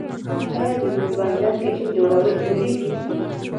آیا د رومي بانجان کیچپ جوړیږي؟